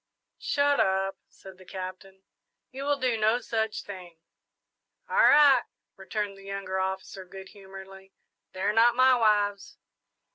"Shut up," said the Captain; "you will do no such thing!" "All right," returned the younger officer, good humouredly, "they're not my wives!"